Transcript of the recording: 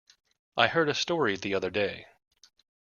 I heard a story the other day.